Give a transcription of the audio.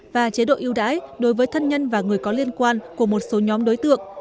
và chế độ ưu đãi đối với thân nhân và người có liên quan của một số nhóm đối tượng